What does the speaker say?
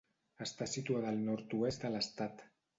Està situada al nord-oest de l'estat.